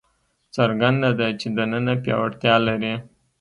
څرګنده ده چې دننه پیاوړتیا لري.